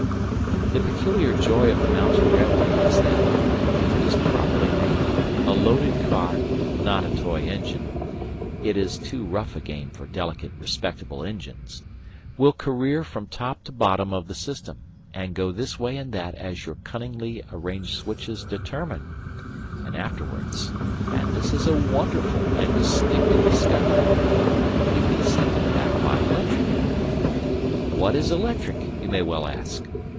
The peculiar joy of the mountain railway is that, if it is properly made, a loaded car not a toy engine; it is too rough a game for delicate, respectable engines will career from top to bottom of the system, and go this way and that as your cunningly arranged switches determine; and afterwards and this is a wonderful and distinctive discovery you can send it back by 'lectric. What is a 'lectric? You may well ask.